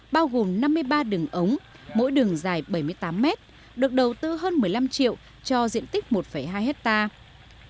bao gồm năm mươi ba đường ống mỗi đường dài bảy mươi tám mét được đầu tư hơn một mươi năm triệu cho diện tích một hai hectare